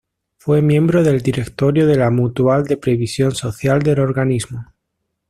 Fue miembro del directorio de la Mutual de Previsión Social del organismo.